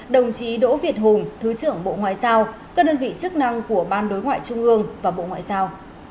đồng chí đỗ việt hùng thứ trưởng bộ ngoại giao các đơn vị chức năng của ban đối ngoại trung ương và bộ ngoại giao